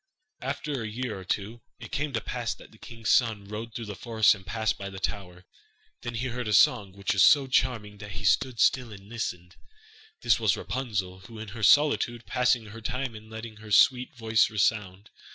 After a year or two, it came to pass that the king's son rode through the forest and passed by the tower. Then he heard a song, which was so charming that he stood still and listened. This was Rapunzel, who in her solitude passed her time in letting her sweet voice resound.